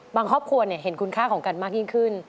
ครอบครัวเห็นคุณค่าของกันมากยิ่งขึ้น